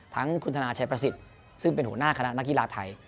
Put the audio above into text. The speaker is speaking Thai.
ทั้งคุณธนาชัยประสิทธิ์ซึ่งเป็นหัวหน้าคณะนักกีฬาไทย